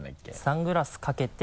サングラスかけて。